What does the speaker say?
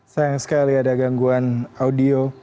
sayang sekali ada gangguan audio